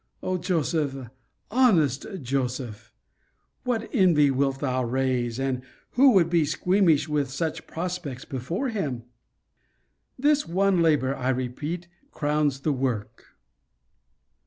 O Joseph, honest Joseph! what envy wilt thou raise, and who would be squeamish with such prospects before him. This one labour, I repeat, crowns the work.